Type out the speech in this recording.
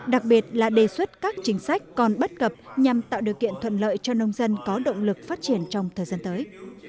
đặc biệt là đề xuất các chính sách còn bất cập nhằm tạo điều kiện thuận lợi cho nông dân có động lực phát triển trong thời gian tới